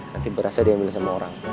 nanti berasnya dia ambil sama orang